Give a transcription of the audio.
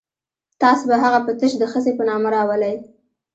تاسو به هغه په تش د ښځې په نامه راولئ.